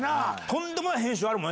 とんでもない編集ある。